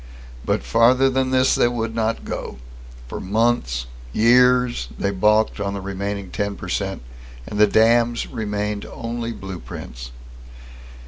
But farther than this they would not go. For months, years, they balked on the remaining ten per cent, and the dams remained only blueprints.